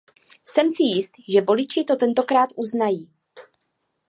Jsem si jist, že voliči to tentokrát uznají.